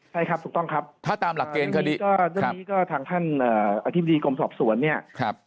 ใช่ครับถูกต้องครับด้านนี้ก็ทางท่านอธิบดีกรมสอบสวนเนี่ย